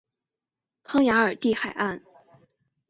康雅尔蒂海滩。